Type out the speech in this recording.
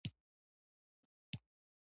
د حقیقي مینې په لور یو ګام ګڼل کېږي.